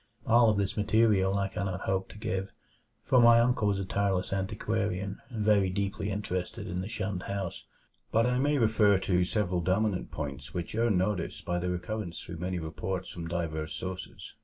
All of this material I cannot hope to give, for my uncle was a tireless antiquarian and very deeply interested in the shunned house; but I may refer to several dominant points which earn notice by their recurrence through many reports from diverse sources.